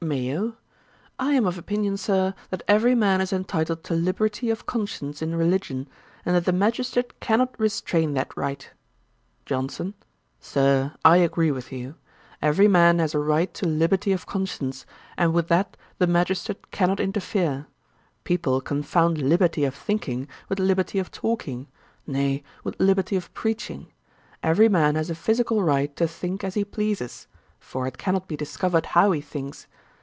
MAYO. 'I am of opinion, Sir, that every man is entitled to liberty of conscience in religion; and that the magistrate cannot restrain that right.' JOHNSON. 'Sir, I agree with you. Every man has a right to liberty of conscience, and with that the magistrate cannot interfere. People confound liberty of thinking with liberty of talking; nay, with liberty of preaching. Every man has a physical right to think as he pleases; for it cannot be discovered how he thinks.